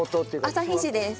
旭市です。